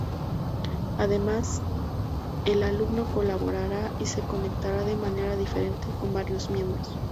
Además, el alumno colaborará y se conectará de manera diferente con varios miembros.